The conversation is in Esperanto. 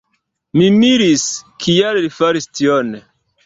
Mi miris, kial li faris tion.